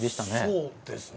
そうですね。